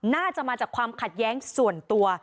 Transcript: น่าจะมาจากความขัดแย้งส่วนตัว